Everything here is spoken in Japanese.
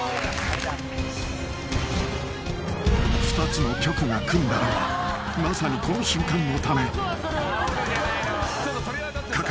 ［２つの局が組んだのはまさにこの瞬間のため］